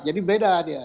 jadi beda dia